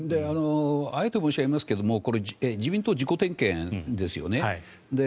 あえて申し上げますが自民党は自己点検ですよね。